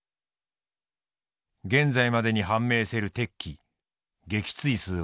現在までに判明せる敵機撃墜数は九機」。